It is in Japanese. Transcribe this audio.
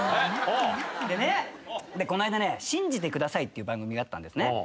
この間『信じてください！！』っていう番組があったんですね。